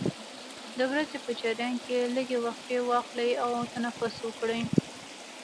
د ورځې په جریان کې لږې وقفې واخلئ او تنفس وکړئ.